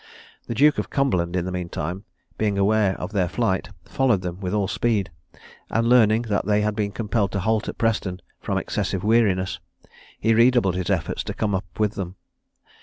The Duke of Cumberland, in the mean time, being aware of their flight, followed them with all speed, and learning that they had been compelled to halt at Preston, from excessive weariness, he redoubled his efforts to come up with them.